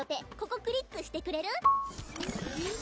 「ここクリックしてくれる？」